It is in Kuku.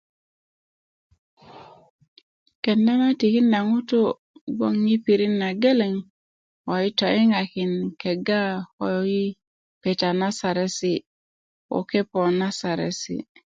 kenda na tikinda ŋutu' gboŋ yi pirit na geleŋ ko yi toyiŋakin kega ko yi peta na saresi' ko kepo na saresi'